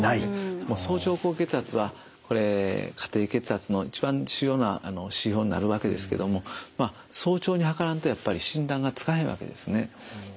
早朝高血圧はこれ家庭血圧の一番重要な指標になるわけですけども早朝に測らんとやっぱり診断がつかへんわけですね。